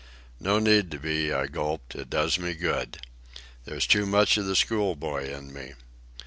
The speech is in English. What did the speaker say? "No need to be," I gulped. "It does me good. There's too much of the schoolboy in me.